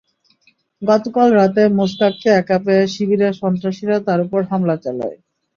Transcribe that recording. গতকাল রাতে মোস্তাককে একা পেয়ে শিবিরের সন্ত্রাসীরা তাঁর ওপর হামলা চালায়।